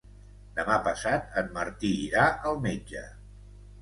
Demà passat en Martí irà al metge.